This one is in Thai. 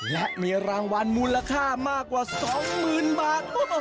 และมีรางวัลมูลค่ามากกว่า๒๐๐๐บาท